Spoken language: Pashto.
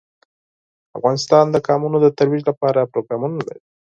افغانستان د قومونه د ترویج لپاره پروګرامونه لري.